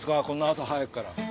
こんな朝早くから。